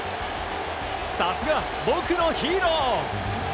さすが、僕のヒーロー！